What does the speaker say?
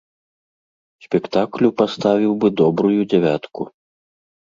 Спектаклю паставіў бы добрую дзявятку.